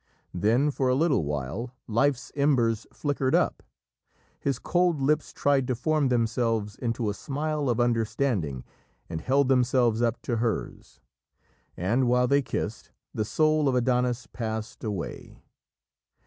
Then, for a little while, life's embers flickered up, his cold lips tried to form themselves into a smile of understanding and held themselves up to hers. And, while they kissed, the soul of Adonis passed away.